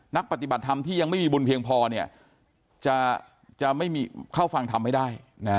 นักปฏิบัติธรรมที่ยังไม่มีบุญเพียงพอจะไม่เข้าฟังธรรมไม่ได้